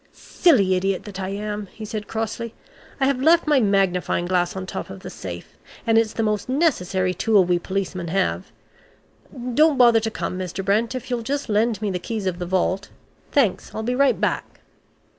"Silly idiot that I am!" he said crossly. "I have left my magnifying glass on top of the safe and it's the most necessary tool we policemen have. Don't bother to come, Mr. Brent, if you'll just lend me the keys of the vault. Thanks, I'll be right back."